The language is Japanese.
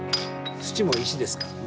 土も石ですからね。